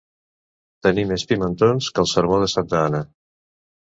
Tenir més pimentons que el sermó de santa Anna.